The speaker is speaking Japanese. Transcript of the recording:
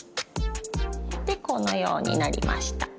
でこのようになりました。